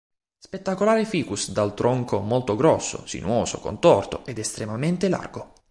Spettacolare Ficus dal tronco molto grosso, sinuoso, contorto ed estremamente largo.